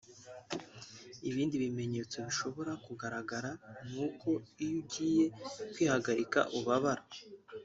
Ibindi bimenyetso bishobora kugaragara ni uko iyo ugiye kwihagarika ubabara